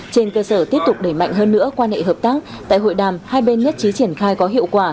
trên cơ sở tiếp tục đẩy mạnh hơn nữa quan hệ hợp tác tại hội đàm hai bên nhất trí triển khai có hiệu quả